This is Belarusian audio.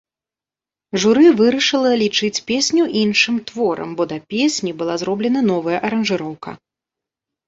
Журы вырашыла лічыць песню іншым творам, бо да песні была зробленая новая аранжыроўка.